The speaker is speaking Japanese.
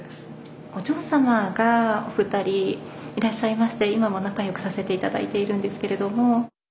お嬢様がお二人いらっしゃいまして今も仲良くさせて頂いているんですけれども。